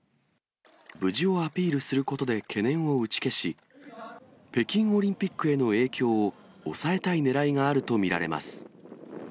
無事をアピールすることで懸念を打ち消し、北京オリンピックへの影響を抑えたいねらいがあると見られます。